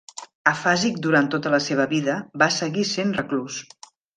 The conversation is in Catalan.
Afàsic durant tota la seva vida, va seguir sent reclús.